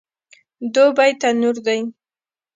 دوبی تنور دی